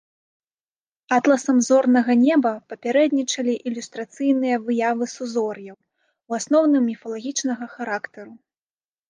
Атласам зорнага неба папярэднічалі ілюстрацыйныя выявы сузор'яў, у асноўным, міфалагічнага характару.